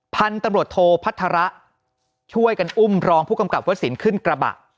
พันธุ์ตำรวจโทพัฒระช่วยกันอุ้มรองผู้กำกับวัสสินขึ้นกระบะ